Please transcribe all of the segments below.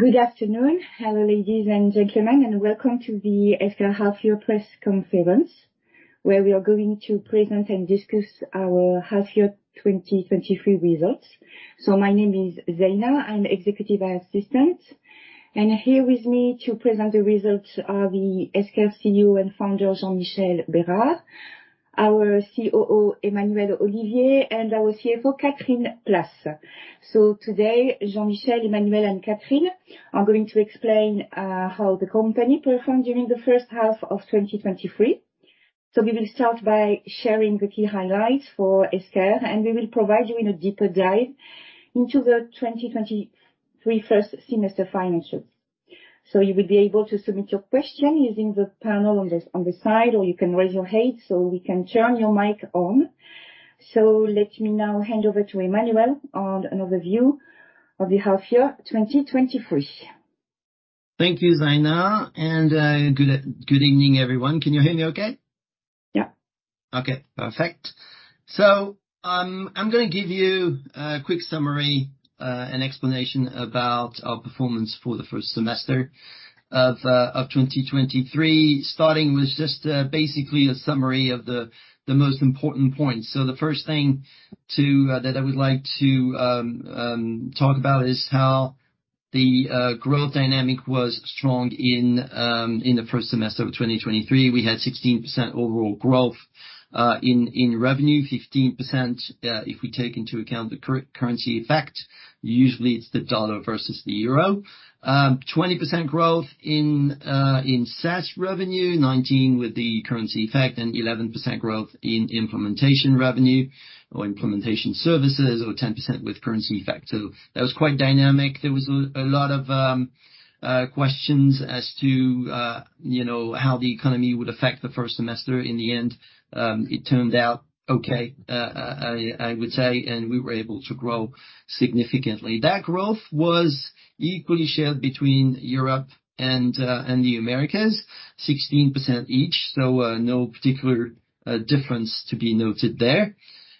Good afternoon. Hello, ladies and gentlemen, and welcome to the Esker half-year press conference, where we are going to present and discuss our half-year 2023 results. My name is Zaïna. I'm executive assistant, and here with me to present the results are the Esker CEO and founder, Jean-Michel Bérard, our COO, Emmanuel Olivier, and our CFO, Catherine Plasse. Today, Jean-Michel, Emmanuel and Catherine are going to explain how the company performed during the first half of 2023. We will start by sharing the key highlights for Esker, and we will provide you a deeper dive into the 2023 first semester financials. You will be able to submit your question using the panel on the side, or you can raise your hand, so we can turn your mic on. Let me now hand over to Emmanuel on an overview of the half year, 2023. Thank you, Zaïna, and good evening, everyone. Can you hear me okay? Yeah. Okay, perfect. So, I'm gonna give you a quick summary and explanation about our performance for the first semester of 2023. Starting with just basically a summary of the most important points. So the first thing to that I would like to talk about is how the growth dynamic was strong in the first semester of 2023. We had 16% overall growth in revenue. 15%, if we take into account the currency effect, usually it's the dollar versus the euro. 20% growth in SaaS revenue, 19% with the currency effect, and 11% growth in implementation revenue or implementation services, or 10% with currency effect. So that was quite dynamic. There was a lot of questions as to, you know, how the economy would affect the first semester. In the end, it turned out okay, I would say, and we were able to grow significantly. That growth was equally shared between Europe and the Americas, 16% each, so no particular difference to be noted there.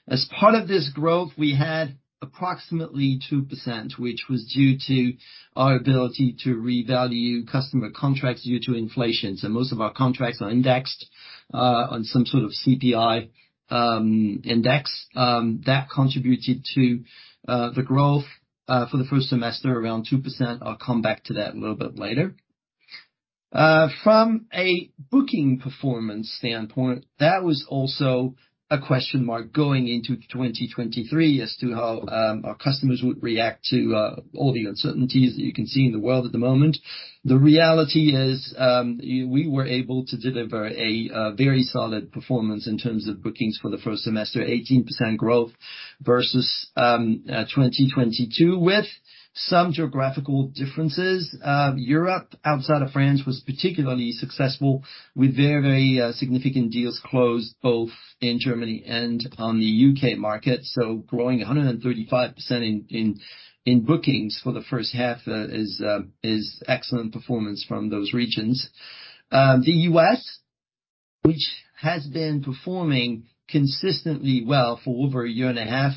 As part of this growth, we had approximately 2%, which was due to our ability to revalue customer contracts due to inflation. So most of our contracts are indexed on some sort of CPI index. That contributed to the growth for the first semester, around 2%. I'll come back to that a little bit later. From a booking performance standpoint, that was also a question mark going into 2023 as to how our customers would react to all the uncertainties that you can see in the world at the moment. The reality is, we were able to deliver a very solid performance in terms of bookings for the first semester. 18% growth versus 2022, with some geographical differences. Europe, outside of France, was particularly successful with very, very significant deals closed both in Germany and on the U.K. market, so growing 135% in bookings for the first half is excellent performance from those regions. The U.S., which has been performing consistently well for over a year and a half,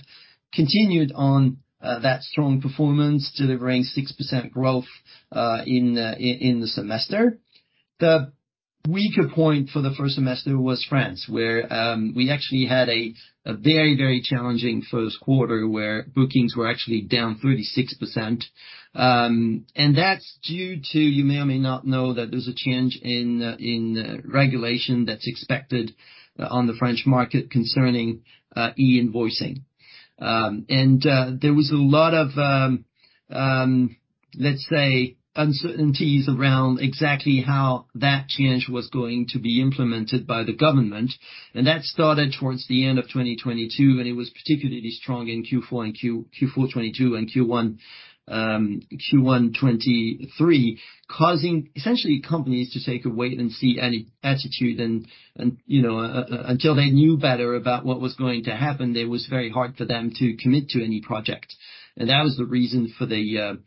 continued on that strong performance, delivering 6% growth in the semester. The weaker point for the first semester was France, where we actually had a very, very challenging first quarter, where bookings were actually down 36%. That's due to, you may or may not know, that there's a change in regulation that's expected on the French market concerning e-invoicing. There was a lot of, let's say, uncertainties around exactly how that change was going to be implemented by the government, and that started towards the end of 2022, and it was particularly strong in Q4 and Q... Q4 2022 and Q1 2023, causing essentially companies to take a wait and see any attitude. And, and, you know, until they knew better about what was going to happen, it was very hard for them to commit to any project. And that was the reason for the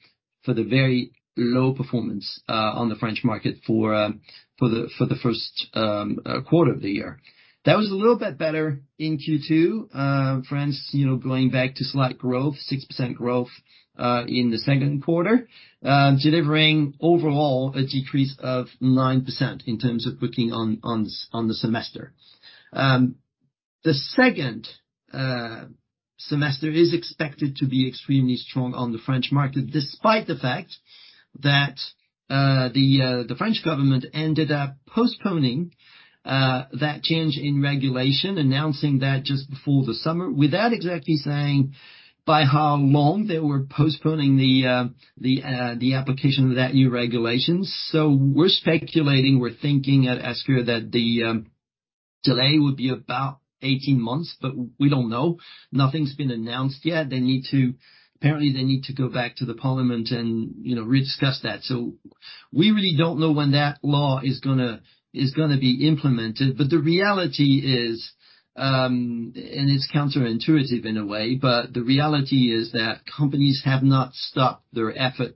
very low performance on the French market for the first quarter of the year. That was a little bit better in Q2. France, you know, going back to slight growth, 6% growth in the second quarter, delivering overall a decrease of 9% in terms of booking on the semester. The second semester is expected to be extremely strong on the French market, despite the fact that the French government ended up postponing that change in regulation, announcing that just before the summer, without exactly saying by how long they were postponing the application of that new regulation. So we're speculating, we're thinking at Esker that the delay would be about 18 months, but we don't know. Nothing's been announced yet. They need to... Apparently, they need to go back to the parliament and, you know, re-discuss that. So we really don't know when that law is gonna be implemented. But the reality is, and it's counterintuitive in a way, but the reality is that companies have not stopped their efforts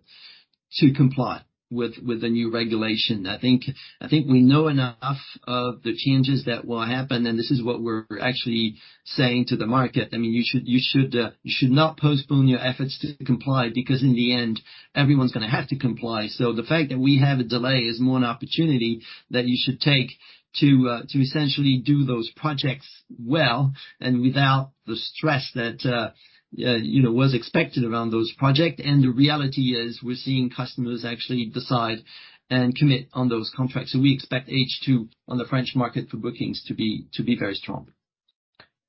to comply with the new regulation. I think, I think we know enough of the changes that will happen, and this is what we're actually saying to the market. I mean, you should, you should, you should not postpone your efforts to comply, because in the end, everyone's gonna have to comply. So the fact that we have a delay is more an opportunity that you should take to, to essentially do those projects well, and without the stress that, you know, was expected around those projects. And the reality is, we're seeing customers actually decide and commit on those contracts. So we expect H2 on the French market for bookings to be, to be very strong.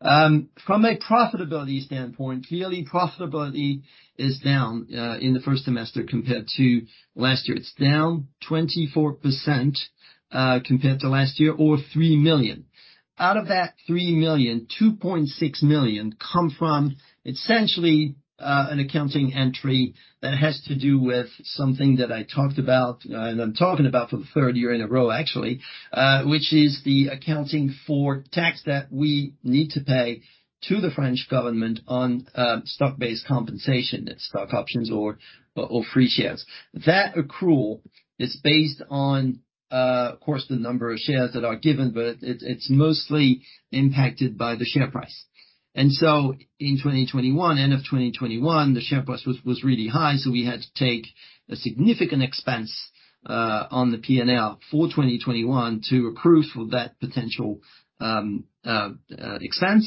From a profitability standpoint, clearly profitability is down in the first semester compared to last year. It's down 24%, compared to last year, or 3 million. Out of that 3 million, 2.6 million come from essentially, an accounting entry that has to do with something that I talked about, and I'm talking about for the third year in a row actually, which is the accounting for tax that we need to pay to the French government on, stock-based compensation, stock options or, or free shares. That accrual is based on, of course, the number of shares that are given, but it's mostly impacted by the share price. And so in 2021, end of 2021, the share price was, was really high, so we had to take a significant expense, on the P&L for 2021 to accrue for that potential, expense.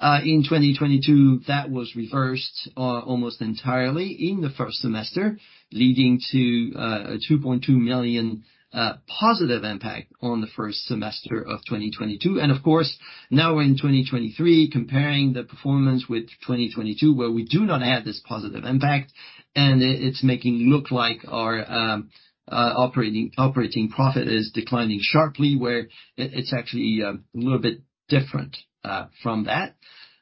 In 2022, that was reversed almost entirely in the first semester, leading to a 2.2 million positive impact on the first semester of 2022. And of course, now we're in 2023, comparing the performance with 2022, where we do not have this positive impact, and it's making it look like our operating profit is declining sharply, where it's actually a little bit different from that.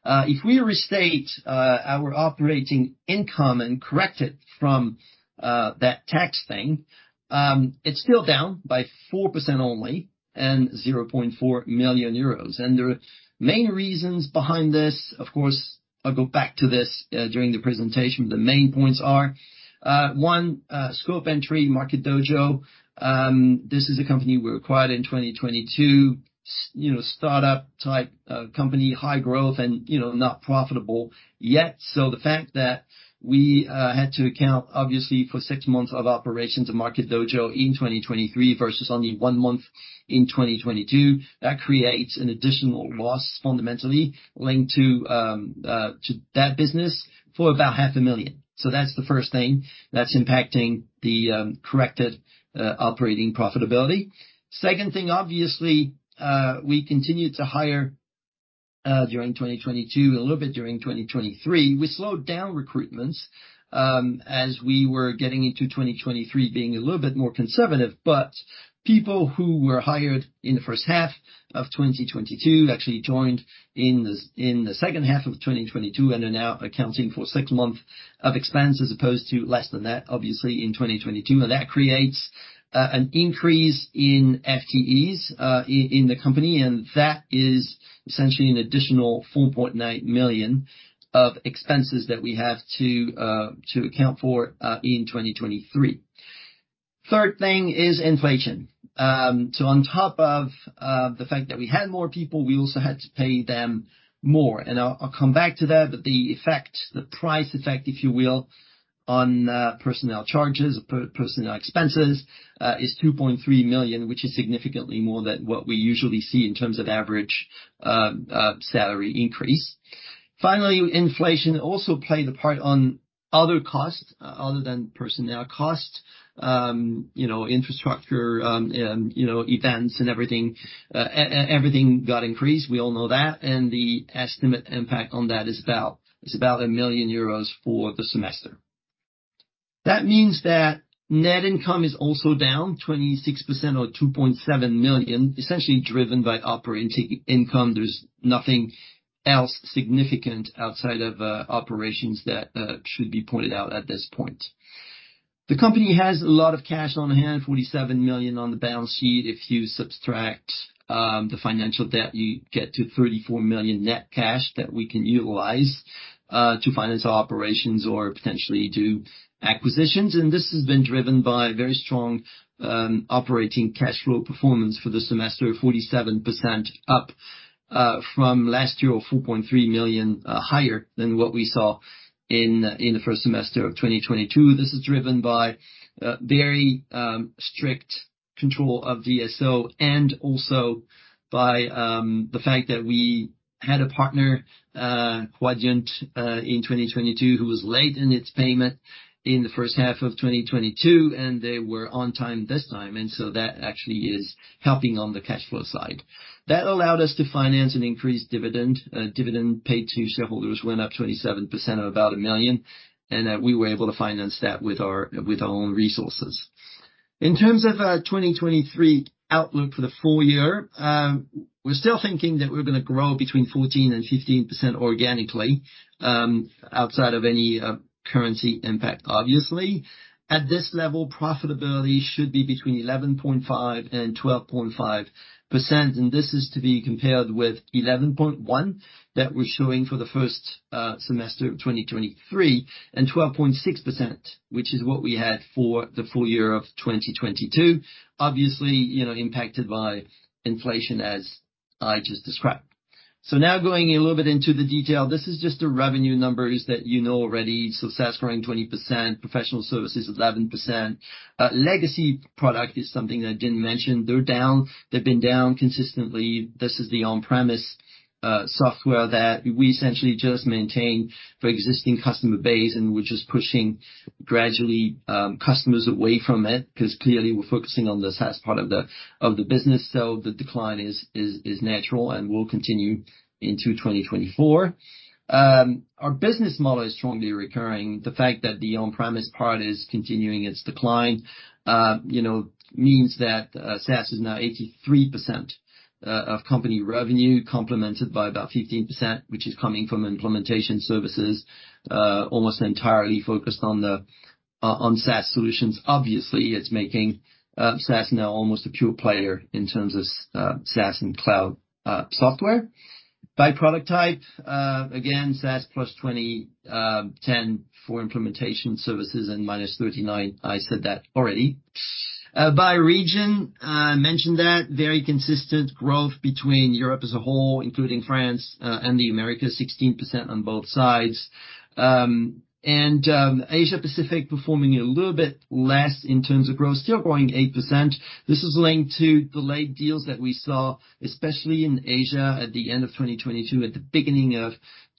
If we restate our operating income and correct it from that tax thing, it's still down by 4% only, and 0.4 million euros. And the main reasons behind this, of course, I'll go back to this during the presentation. The main points are one, scope entry, Market Dojo. This is a company we acquired in 2022, you know, startup-type company, high growth and, you know, not profitable yet. So the fact that we had to account, obviously, for six months of operations of Market Dojo in 2023 versus only one month in 2022, that creates an additional loss, fundamentally, linked to that business for about 500,000. So that's the first thing that's impacting the corrected operating profitability. Second thing, obviously, we continued to hire during 2022, a little bit during 2023. We slowed down recruitments as we were getting into 2023, being a little bit more conservative, but people who were hired in the first half of 2022 actually joined in the second half of 2022, and are now accounting for six months of expense as opposed to less than that, obviously, in 2022. And that creates an increase in FTEs in the company, and that is essentially an additional 4.8 million of expenses that we have to account for in 2023. Third thing is inflation. So on top of the fact that we had more people, we also had to pay them more, and I'll come back to that, but the effect, the price effect, if you will, on personnel charges, personnel expenses, is 2.3 million, which is significantly more than what we usually see in terms of average salary increase. Finally, inflation also played a part on other costs other than personnel costs. You know, infrastructure, you know, events and everything, everything got increased, we all know that, and the estimated impact on that is about 1 million euros for the semester. That means that net income is also down 26% or 2.7 million, essentially driven by operating income. There's nothing else significant outside of operations that should be pointed out at this point. The company has a lot of cash on hand, 47 million on the balance sheet. If you subtract the financial debt, you get to 34 million net cash that we can utilize to finance our operations or potentially do acquisitions. And this has been driven by very strong operating cash flow performance for the semester, 47% up from last year, or 4.3 million higher than what we saw in the first semester of 2022. This is driven by very strict control of DSO, and also by the fact that we had a partner, Quadient, in 2022, who was late in its payment in the first half of 2022, and they were on time this time, and so that actually is helping on the cash flow side. That allowed us to finance an increased dividend. Dividend paid to shareholders went up 27%, or about 1 million, and we were able to finance that with our own resources. In terms of our 2023 outlook for the full year, we're still thinking that we're gonna grow between 14% and 15% organically, outside of any currency impact, obviously. At this level, profitability should be between 11.5% and 12.5%, and this is to be compared with 11.1%, that we're showing for the first semester of 2023, and 12.6%, which is what we had for the full year of 2022. Obviously, you know, impacted by inflation, as I just described. So now going a little bit into the detail, this is just the revenue numbers that you know already. So SaaS growing 20%, professional services 11%. Legacy product is something that I didn't mention. They're down. They've been down consistently. This is the on-premise software that we essentially just maintain for existing customer base, and we're just pushing gradually customers away from it, because clearly we're focusing on the SaaS part of the business. So the decline is natural and will continue into 2024. Our business model is strongly recurring. The fact that the on-premise part is continuing its decline, you know, means that SaaS is now 83% of company revenue, complemented by about 15%, which is coming from implementation services, almost entirely focused on the SaaS solutions. Obviously, it's making SaaS now almost a pure player in terms of SaaS and cloud software. By product type, again, SaaS +20, 10 for implementation services and -39. I said that already. By region, I mentioned that, very consistent growth between Europe as a whole, including France, and the Americas, 16% on both sides. And Asia-Pacific performing a little bit less in terms of growth, still growing 8%. This is linked to delayed deals that we saw, especially in Asia, at the end of 2022, at the beginning of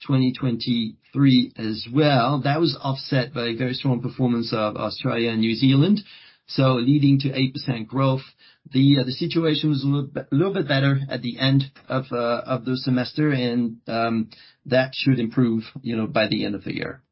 2023 as well. That was offset by a very strong performance of Australia and New Zealand, so leading to 8% growth. The situation was a little bit better at the end of the semester, and that should improve, you know, by the end of the year.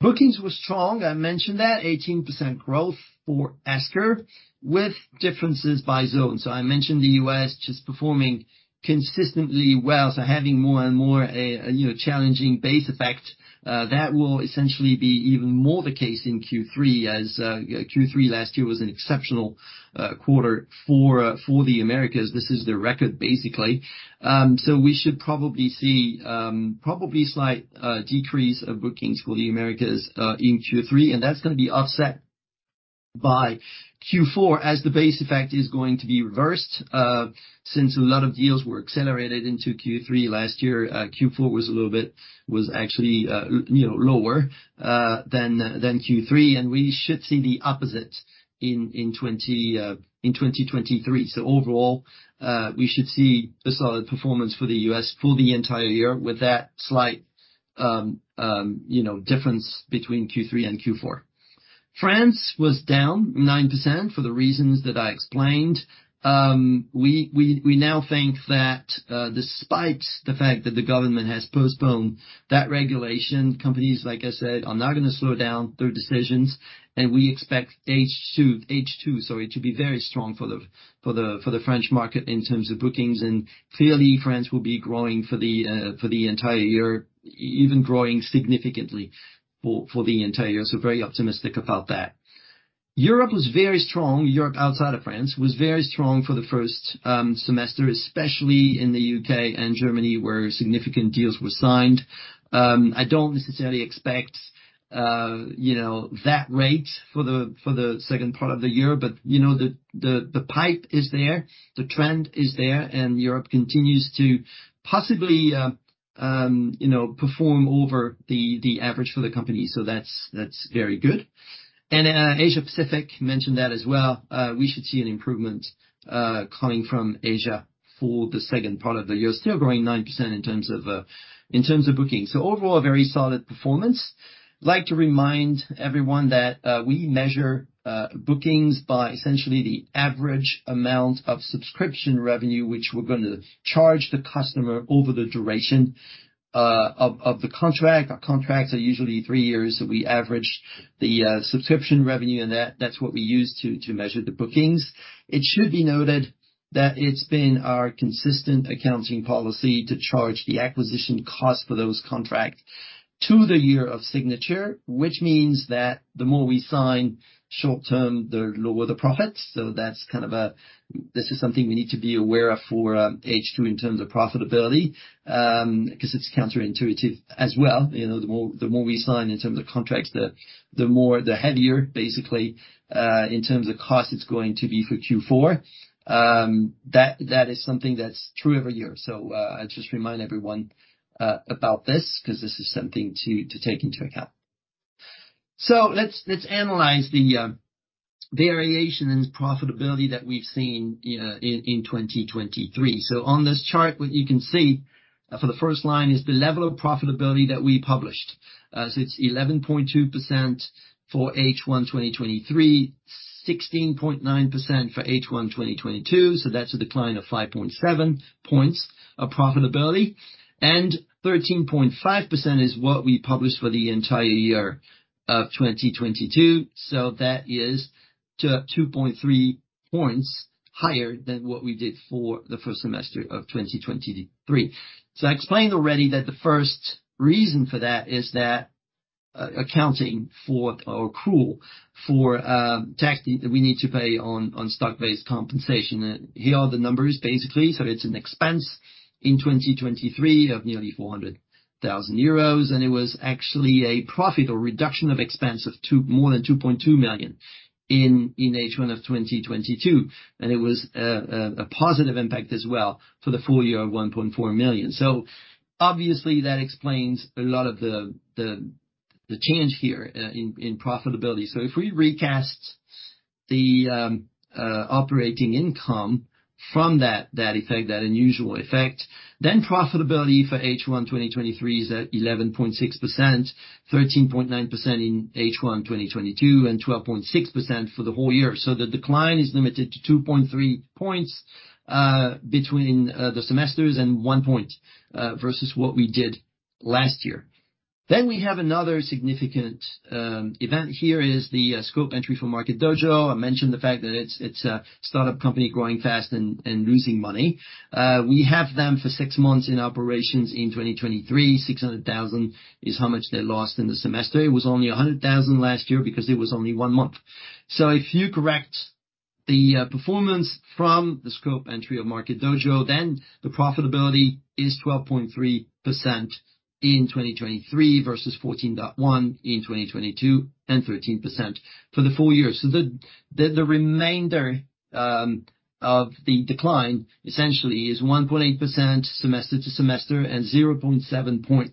Bookings were strong. I mentioned that, 18% growth for Esker, with differences by zone. I mentioned the U.S. just performing consistently well, so having more and more a challenging base effect, that will essentially be even more the case in Q3, as Q3 last year was an exceptional quarter for the Americas. This is the record, basically. So we should probably see probably slight decrease of bookings for the Americas in Q3, and that's gonna be offset by Q4 as the base effect is going to be reversed. Since a lot of deals were accelerated into Q3 last year, Q4 was a little bit, was actually, you know, lower than Q3, and we should see the opposite in 2023. So overall, we should see a solid performance for the U.S. for the entire year with that slight, you know, difference between Q3 and Q4. France was down 9% for the reasons that I explained. We now think that, despite the fact that the government has postponed that regulation, companies, like I said, are not gonna slow down their decisions, and we expect H2, sorry, to be very strong for the French market in terms of bookings, and clearly France will be growing for the entire year, even growing significantly for the entire year. So very optimistic about that. Europe was very strong. Europe, outside of France, was very strong for the first semester, especially in the U.K. and Germany, where significant deals were signed. I don't necessarily expect, you know, that rate for the second part of the year, but, you know, the pipe is there, the trend is there, and Europe continues to possibly, you know, perform over the average for the company. So that's very good. Asia-Pacific, mentioned that as well. We should see an improvement coming from Asia for the second part of the year. Still growing 9% in terms of bookings. So overall, a very solid performance. I'd like to remind everyone that we measure bookings by essentially the average amount of subscription revenue, which we're gonna charge the customer over the duration of the contract. Our contracts are usually three years, so we average the subscription revenue, and that, that's what we use to measure the bookings. It should be noted that it's been our consistent accounting policy to charge the acquisition cost for those contracts to the year of signature, which means that the more we sign short-term, the lower the profits. So that's kind of a... This is something we need to be aware of for H2 in terms of profitability, because it's counterintuitive as well. You know, the more we sign in terms of contracts, the more the heavier, basically, in terms of cost it's going to be for Q4. That is something that's true every year. So I just remind everyone about this, because this is something to take into account. So let's, let's analyze the variation in profitability that we've seen in 2023. So on this chart, what you can see for the first line, is the level of profitability that we published. So it's 11.2% for H1 2023, 16.9% for H1 2022, so that's a decline of 5.7 points of profitability. And 13.5% is what we published for the entire year of 2022, so that is 2.3 points higher than what we did for the first semester of 2023. So I explained already that the first reason for that is that accounting for or accrual for tax that we need to pay on stock-based compensation. And here are the numbers, basically. So it's an expense in 2023 of nearly 400,000 euros, and it was actually a profit or reduction of expense of more than 2.2 million in H1 of 2022. And it was a positive impact as well for the full year of 1.4 million. So obviously, that explains a lot of the change here in profitability. So if we recast the operating income from that effect, that unusual effect, then profitability for H1 2023 is at 11.6%, 13.9% in H1 2022, and 12.6% for the whole year. So the decline is limited to 2.3 points between the semesters and 1 point versus what we did last year. Then we have another significant event here, is the scope entry for Market Dojo. I mentioned the fact that it's a startup company growing fast and losing money. We have them for six months in operations in 2023. 600,000 is how much they lost in the semester. It was only 100,000 last year because it was only one month. So if you correct the performance from the scope entry of Market Dojo, then the profitability is 12.3% in 2023 versus 14.1% in 2022, and 13% for the full year. So the remainder of the decline essentially is 1.8% semester to semester, and 0.7 point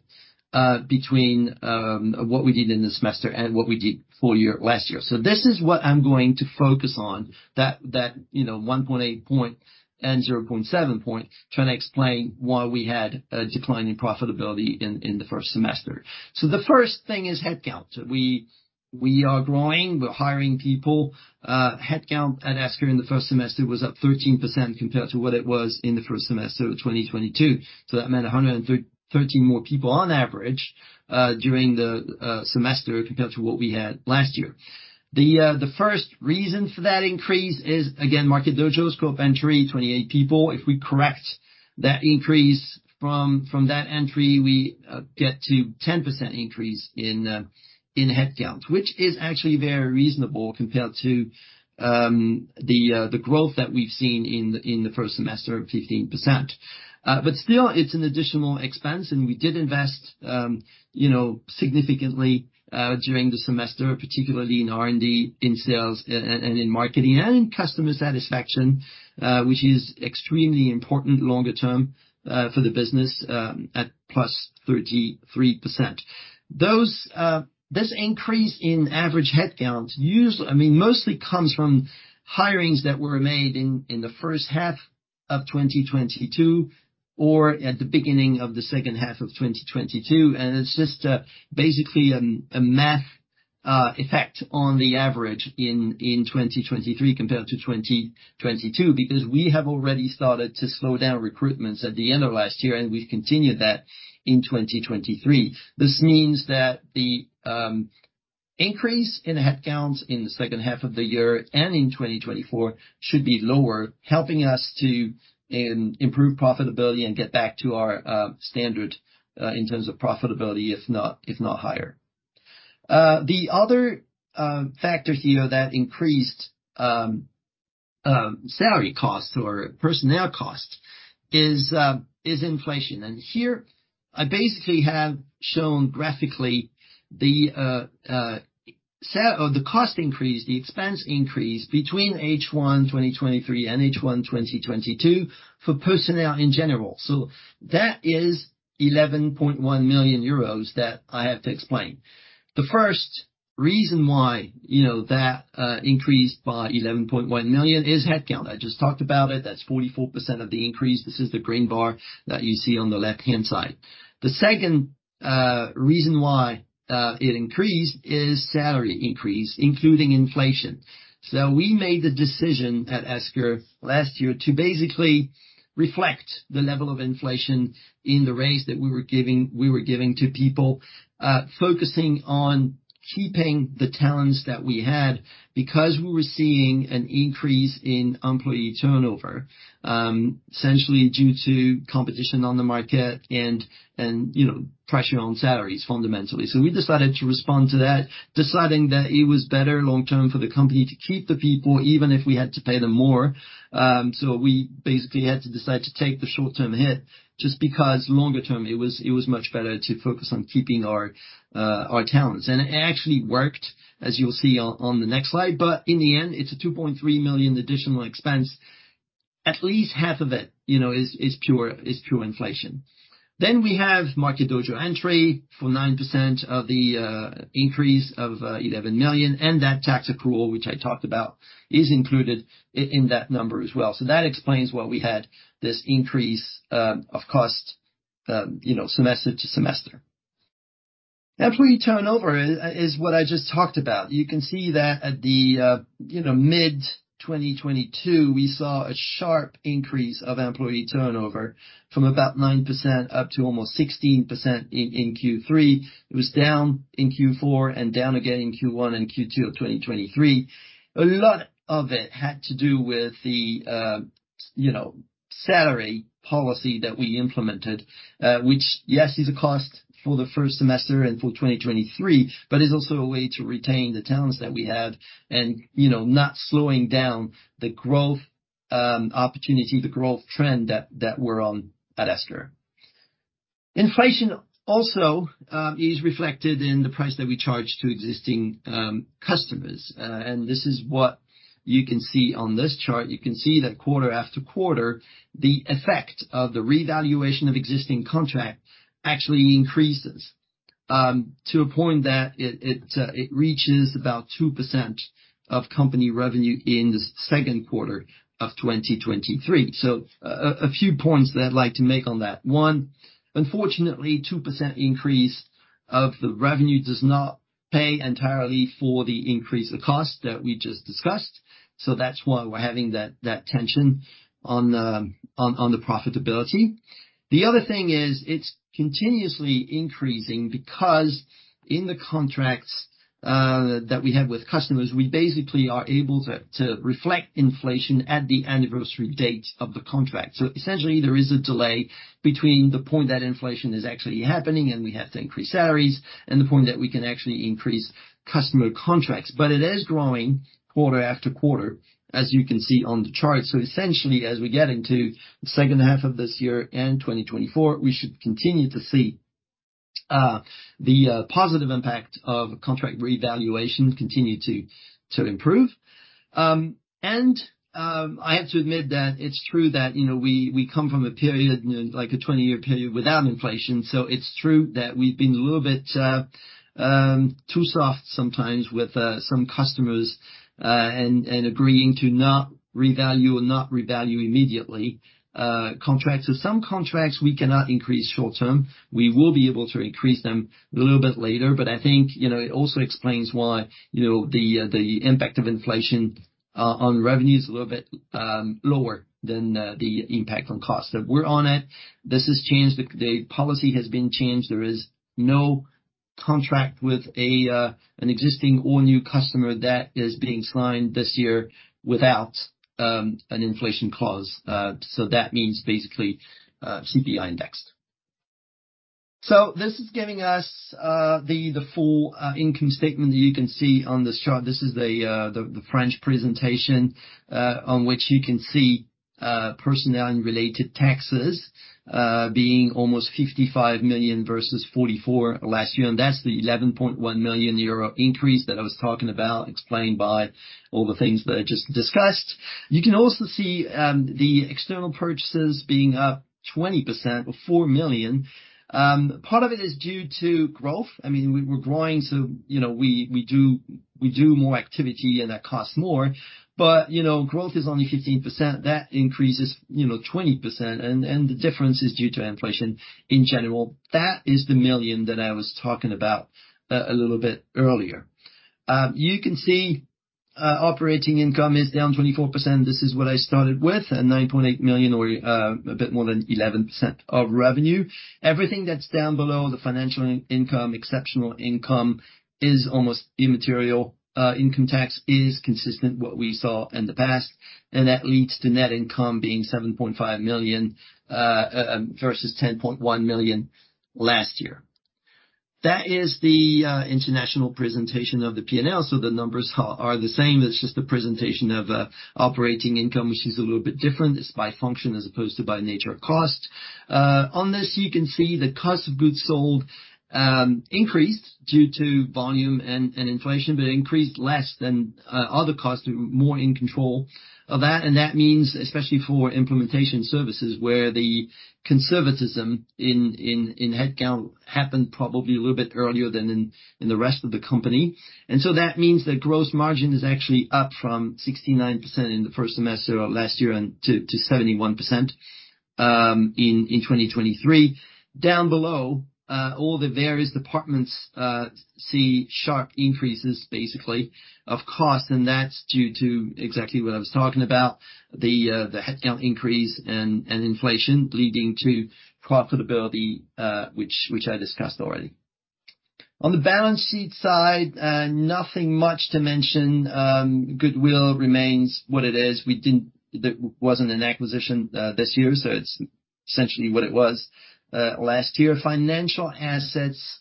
between what we did in the semester and what we did full year last year. So this is what I'm going to focus on, you know, 1.8% and 0.7%, trying to explain why we had a decline in profitability in the first semester. So the first thing is headcount. We are growing, we're hiring people. Headcount at Esker in the first semester was up 13% compared to what it was in the first semester of 2022. So that meant 113 more people on average during the semester, compared to what we had last year. The first reason for that increase is, again, Market Dojo, scope entry, 28 people. If we correct that increase from that entry, we get to 10% increase in headcount, which is actually very reasonable compared to the growth that we've seen in the first semester of 15%. But still, it's an additional expense, and we did invest, you know, significantly, during the semester, particularly in R&D, in sales, and in marketing, and in customer satisfaction, which is extremely important longer term, for the business, at +33%. This increase in average headcount use, I mean, mostly comes from hirings that were made in the first half of 2022, or at the beginning of the second half of 2022, and it's just, basically, a math effect on the average in 2023 compared to 2022. Because we have already started to slow down recruitments at the end of last year, and we've continued that in 2023. This means that the increase in headcounts in the second half of the year and in 2024 should be lower, helping us to improve profitability and get back to our standard in terms of profitability, if not higher. The other factor here that increased salary costs or personnel costs is inflation. And here, I basically have shown graphically the cost increase, the expense increase between H1 2023 and H1 2022, for personnel in general. So that is 11.1 million euros that I have to explain. The first reason why, you know, that increased by 11.1 million is headcount. I just talked about it. That's 44% of the increase. This is the green bar that you see on the left-hand side. The second reason why it increased is salary increase, including inflation. So we made the decision at Esker last year to basically reflect the level of inflation in the raise that we were giving, we were giving to people, focusing on keeping the talents that we had, because we were seeing an increase in employee turnover, essentially due to competition on the market and, you know, pressure on salaries, fundamentally. So we decided to respond to that, deciding that it was better long term for the company to keep the people, even if we had to pay them more. So we basically had to decide to take the short-term hit, just because longer term, it was much better to focus on keeping our our talents. And it actually worked, as you'll see on the next slide, but in the end, it's a 2.3 million additional expense. At least half of it, you know, is pure inflation. Then we have Market Dojo entry for 9% of the increase of 11 million, and that tax accrual, which I talked about, is included in that number as well. So that explains why we had this increase of cost, you know, semester to semester. Employee turnover is what I just talked about. You can see that at the, you know, mid-2022, we saw a sharp increase of employee turnover from about 9% up to almost 16% in Q3. It was down in Q4 and down again in Q1 and Q2 of 2023. A lot of it had to do with the, you know, salary policy that we implemented, which, yes, is a cost for the first semester and for 2023, but is also a way to retain the talents that we have and, you know, not slowing down the growth opportunity, the growth trend that we're on at Esker. Inflation also is reflected in the price that we charge to existing customers. And this is what you can see on this chart. You can see that quarter after quarter, the effect of the revaluation of existing contract actually increases. To a point that it, it, it reaches about 2% of company revenue in the second quarter of 2023. So a few points that I'd like to make on that. One, unfortunately, 2% increase of the revenue does not pay entirely for the increase of cost that we just discussed, so that's why we're having that tension on the profitability. The other thing is, it's continuously increasing because in the contracts that we have with customers, we basically are able to reflect inflation at the anniversary date of the contract. So essentially, there is a delay between the point that inflation is actually happening, and we have to increase salaries and the point that we can actually increase customer contracts. But it is growing quarter after quarter, as you can see on the chart. So essentially, as we get into the second half of this year and 2024, we should continue to see the positive impact of contract revaluation continue to improve. And I have to admit that it's true that, you know, we come from a period, like a 20-year period, without inflation, so it's true that we've been a little bit too soft sometimes with some customers and agreeing to not revalue or not revalue immediately contracts. So some contracts, we cannot increase short term. We will be able to increase them a little bit later, but I think, you know, it also explains why, you know, the impact of inflation on revenue is a little bit lower than the impact on cost. So we're on it. This has changed. The policy has been changed. There is no contract with an existing or new customer that is being signed this year without an inflation clause. So that means basically CPI indexed. So this is giving us the full income statement that you can see on this chart. This is the French presentation on which you can see personnel and related taxes being almost 55 million versus 44 last year. And that's the 11.1 million euro increase that I was talking about, explained by all the things that I just discussed. You can also see, the external purchases being up 20% or 4 million. Part of it is due to growth. I mean, we're growing, so, you know, we do more activity, and that costs more. But, you know, growth is only 15%. That increases, you know, 20%, and the difference is due to inflation in general. That is the 1 million that I was talking about, a little bit earlier. You can see, operating income is down 24%. This is what I started with, and 9.8 million or, a bit more than 11% of revenue. Everything that's down below the financial income, exceptional income, is almost immaterial. Income tax is consistent with what we saw in the past, and that leads to net income being 7.5 million versus 10.1 million last year. That is the international presentation of the P&L, so the numbers are the same. It's just the presentation of operating income, which is a little bit different. It's by function as opposed to by nature of cost. On this, you can see the cost of goods sold increased due to volume and inflation, but increased less than other costs. We were more in control of that, and that means especially for implementation services, where the conservatism in headcount happened probably a little bit earlier than in the rest of the company. And so that means the gross margin is actually up from 69% in the first semester of last year to 71% in 2023. Down below, all the various departments see sharp increases, basically, of cost, and that's due to exactly what I was talking about, the headcount increase and inflation leading to profitability, which I discussed already. On the balance sheet side, nothing much to mention. Goodwill remains what it is. We didn't. There wasn't an acquisition this year, so it's essentially what it was last year. Financial assets,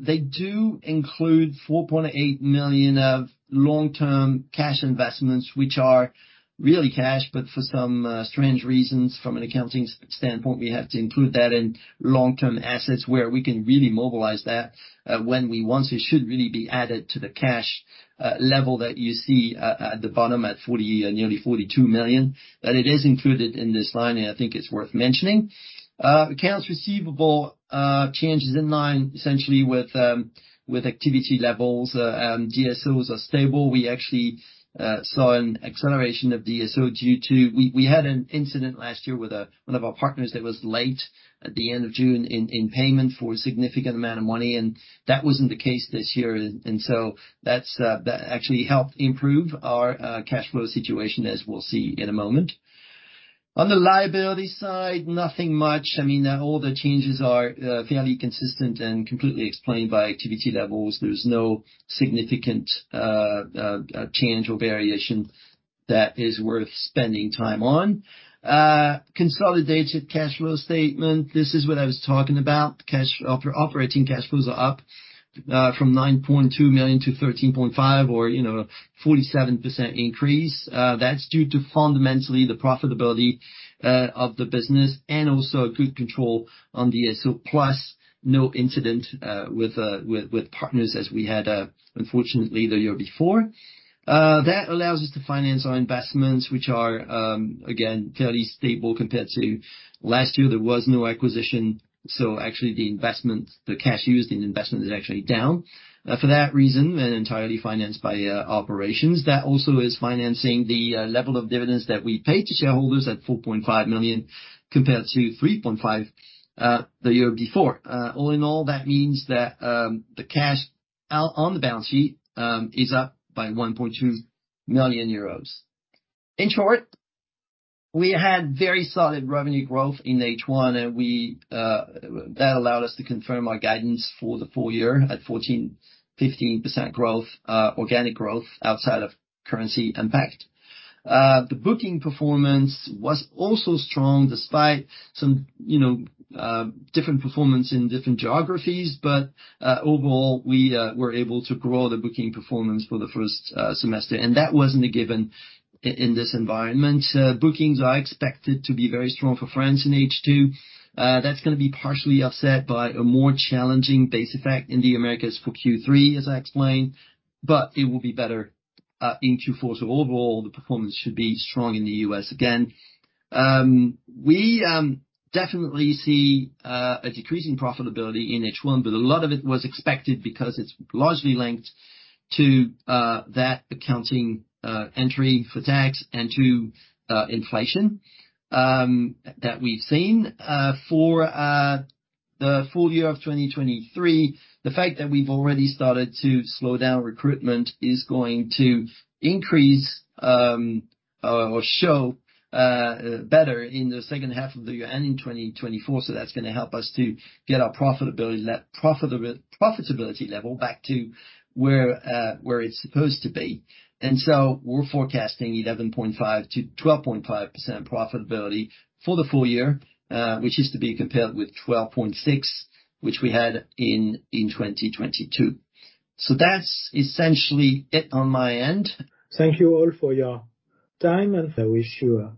they do include 4.8 million of long-term cash investments, which are really cash, but for some strange reasons, from an accounting standpoint, we have to include that in long-term assets where we can really mobilize that when we want. It should really be added to the cash level that you see at the bottom, nearly 42 million. But it is included in this line, and I think it's worth mentioning. Accounts receivable, changes in line essentially with activity levels, and DSOs are stable. We actually saw an acceleration of DSO due to... We had an incident last year with one of our partners that was late at the end of June in payment for a significant amount of money, and that wasn't the case this year. And so that's that actually helped improve our cash flow situation, as we'll see in a moment. On the liability side, nothing much. I mean, all the changes are fairly consistent and completely explained by activity levels. There's no significant change or variation that is worth spending time on. Consolidated cash flow statement, this is what I was talking about. Cash operating cash flows are up from 9.2 million to 13.5 million or, you know, 47% increase. That's due to fundamentally the profitability of the business and also good control on DSO, plus no incident with partners, as we had unfortunately the year before. That allows us to finance our investments, which are again fairly stable compared to-... Last year, there was no acquisition, so actually the investment, the cash used in investment is actually down for that reason, and entirely financed by operations. That also is financing the level of dividends that we paid to shareholders at 4.5 million, compared to 3.5 million the year before. All in all, that means that the cash out on the balance sheet is up by 1.2 million euros. In short, we had very solid revenue growth in H1, and we, that allowed us to confirm our guidance for the full year at 14%-15% growth, organic growth outside of currency impact. The booking performance was also strong despite some, you know, different performance in different geographies, but overall, we were able to grow the booking performance for the first semester, and that wasn't a given in this environment. Bookings are expected to be very strong for France in H2. That's gonna be partially offset by a more challenging base effect in the Americas for Q3, as I explained, but it will be better in Q4. So overall, the performance should be strong in the U.S. again. We definitely see a decrease in profitability in H1, but a lot of it was expected because it's largely linked to that accounting entry for tax and to inflation that we've seen. For the full year of 2023, the fact that we've already started to slow down recruitment is going to increase or show better in the second half of the year and in 2024, so that's gonna help us to get our profitability and that profitability level back to where it's supposed to be. And so we're forecasting 11.5%-12.5% profitability for the full year, which is to be compared with 12.6%, which we had in 2022. So that's essentially it on my end. Thank you all for your time, and I wish you a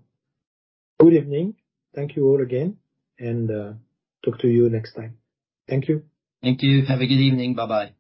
good evening. Thank you all again, and, talk to you next time. Thank you. Thank you. Have a good evening. Bye-bye.